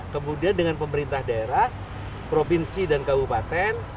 kemudian dengan pemerintah daerah provinsi dan kabupaten